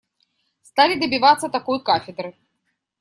Стали добиваться такой кафедры.